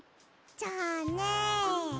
じゃあね。